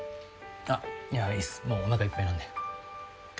あっいやいいっすもうおなかいっぱいなんで。